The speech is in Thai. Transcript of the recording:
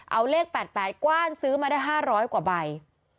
เอาเลข๘๘กว้านซื้อมาได้๕๐๐กว่าใบ